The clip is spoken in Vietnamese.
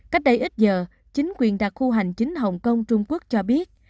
cách đây ít giờ chính quyền đặc khu hành chính hồng kông trung quốc cho biết